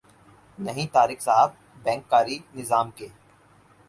نہیں طارق صاحب بینک کاری نظام کے